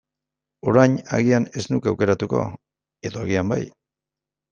Orain agian ez nuke aukeratuko, edo agian bai.